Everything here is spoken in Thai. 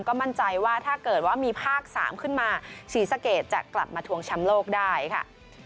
ก็มั่นใจว่าถ้าเกิดว่ามีภาค๓ขึ้นมาศรีสะเกดจะกลับมาทวงแชมป์โลกได้ค่ะ